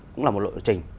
cũng là một lộ trình